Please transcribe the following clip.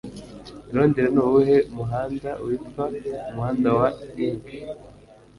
I Londres Nuwuhe Muhanda Witwa "Umuhanda wa Ink"?